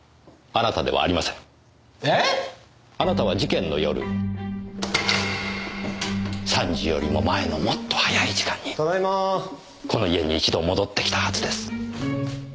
あなたは事件の夜３時よりも前のもっと早い時間にこの家に一度戻ってきたはずです。